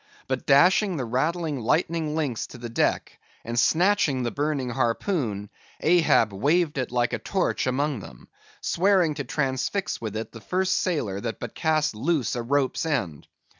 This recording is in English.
But dashing the rattling lightning links to the deck, and snatching the burning harpoon, Ahab waved it like a torch among them; swearing to transfix with it the first sailor that but cast loose a rope's end.